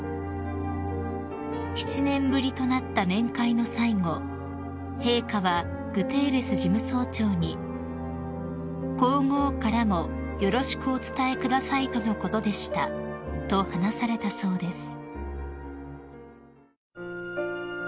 ［７年ぶりとなった面会の最後陛下はグテーレス事務総長に「皇后からもよろしくお伝えくださいとのことでした」と話されたそうです］